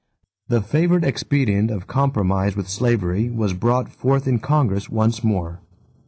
The favorite expedient of compromise with slavery was brought forth in Congress once more.